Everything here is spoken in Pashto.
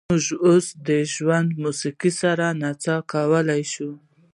موږ اوس د ژوندۍ موسیقۍ سره نڅا کولی شو